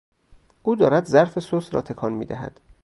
او دارد ظرف سس را تکان میدهد.